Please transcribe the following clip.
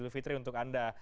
idul fitri untuk anda